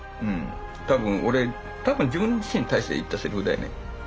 多分俺多分自分自身に対して言ったセリフだよね。